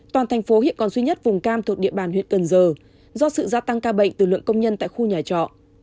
toàn thành phố hiện còn duy nhất vùng cam thuộc địa bàn huyện cần giờ do sự gia tăng ca bệnh từ lượng công nhân tại khu nhà trọ